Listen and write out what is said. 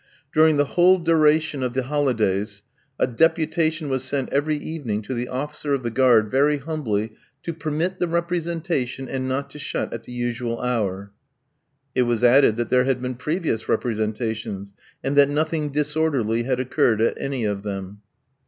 During the whole duration of the holidays a deputation was sent every evening to the officer of the guard very humbly "to permit the representation and not to shut at the usual hour." It was added that there had been previous representations, and that nothing disorderly had occurred at any of them.